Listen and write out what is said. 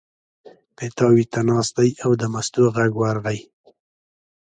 پیتاوي ته ناست دی او د مستو غږ ورغی.